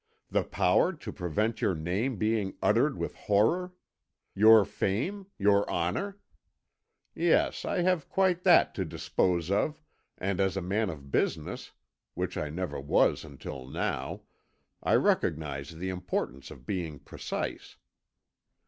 The power to prevent your name being uttered with horror? Your fame your honour? Yes, I have quite that to dispose of, and as a man of business, which I never was until now, I recognise the importance of being precise.